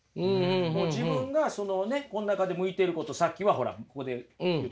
もう自分がこの中で向いてることさっきはほらここで言うと創作意欲。